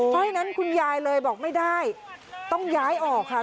เพราะฉะนั้นคุณยายเลยบอกไม่ได้ต้องย้ายออกค่ะ